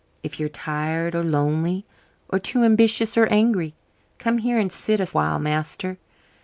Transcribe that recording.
If you're tired or lonely, or too ambitious or angry, come here and sit awhile, master.